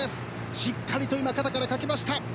しっかりと肩から掛けました。